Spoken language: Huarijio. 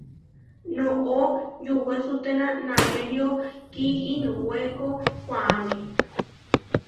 Noʼó yuwesuténa naʼnério kiinuwéko koʼáme.